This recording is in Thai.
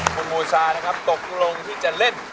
คุณมูซานะครับตกลงที่จะเล่น